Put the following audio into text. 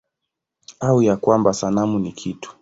Au ya kwamba sanamu ni kitu?